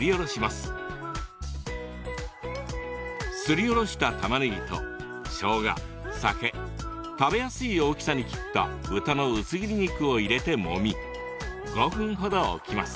すりおろした、たまねぎとしょうが、酒食べやすい大きさに切った豚の薄切り肉を入れてもみ５分ほど置きます。